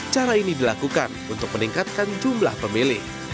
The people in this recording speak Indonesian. cara ini dilakukan untuk meningkatkan jumlah pemilih